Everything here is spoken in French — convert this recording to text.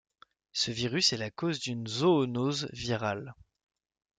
Ce virus est la cause d’une zoonose virale.